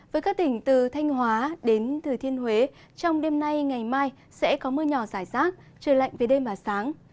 với các tỉnh từ thanh hóa đến thừa thiên huế trong đêm nay ngày mai sẽ có mưa nhỏ rải rác trời lạnh về đêm và sáng